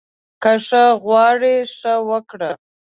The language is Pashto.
که ښه غواړې، ښه وکړه